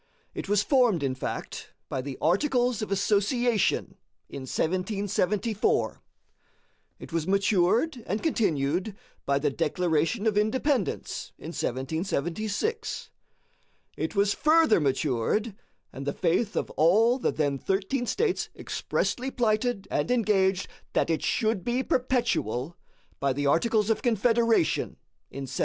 It was formed, in fact, by the Articles of Association in 1774. It was matured and continued by the Declaration of Independence in 1776. It was further matured, and the faith of all the then thirteen States expressly plighted and engaged that it should be perpetual, by the Articles of Confederation in 1778.